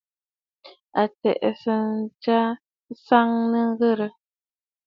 Àtsə̀ʼə̀ já á sáʼánə́mə́ ghàrə̀.